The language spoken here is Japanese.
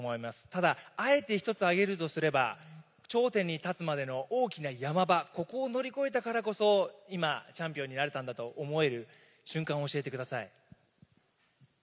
ただ、あえて１つ挙げるとすれば、頂点に立つまでの大きなヤマ場、ここを乗り越えたからこそ、今、チャンピオンになれたんだと思える瞬間を教えてください。